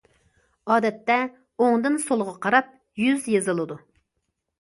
ئادەتتە ئوڭدىن- سولغا قاراپ يۈز يېزىلىدۇ.